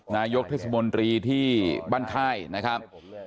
นายกเทศบรรดีที่บ้านไข้นะครับ